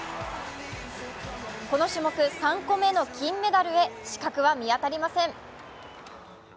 この種目３個目の金メダルへ死角は見当たりません。